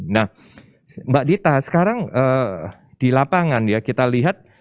nah mbak dita sekarang di lapangan ya kita lihat